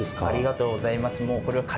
ありがとうございます。